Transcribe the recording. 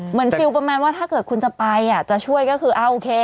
ฟิลประมาณว่าถ้าเกิดคุณจะไปจะช่วยก็คือเอาโอเค